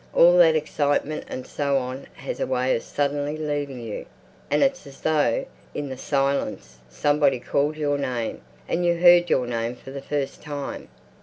All that excitement and so on has a way of suddenly leaving you, and it's as though, in the silence, somebody called your name, and you heard your name for the first time.